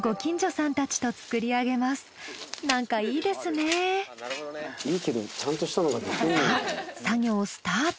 さあ作業スタート。